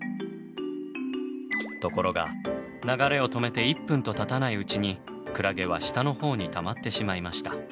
ところが流れを止めて１分とたたないうちにクラゲは下のほうにたまってしまいました。